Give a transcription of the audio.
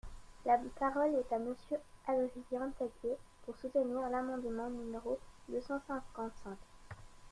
La parole est à Monsieur Adrien Taquet, pour soutenir l’amendement numéro deux cent cinquante-cinq.